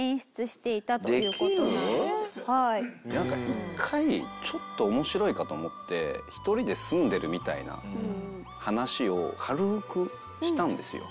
一回ちょっと面白いかと思って一人で住んでるみたいな話を軽くしたんですよ。